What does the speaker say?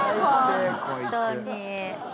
本当に。